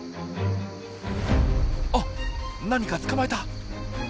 あっ何か捕まえた！